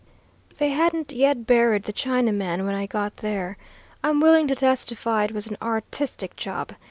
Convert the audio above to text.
They hadn't yet buried the Chinaman when I got there. I'm willing to testify it was an artistic job.